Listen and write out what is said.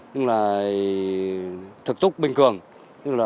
nhưng là thực thúc bình thường